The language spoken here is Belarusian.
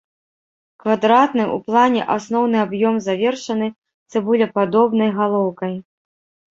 Квадратны ў плане асноўны аб'ём завершаны цыбулепадобнай галоўкай.